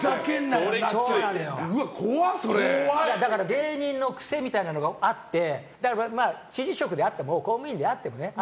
芸人の癖みたいなのがあって知事職であっても公務員であってもね